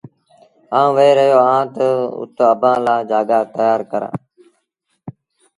آئوٚنٚ وهي رهيو اهآنٚ تا اُت اڀآنٚ لآ جآڳآ تيآر ڪرآݩٚ۔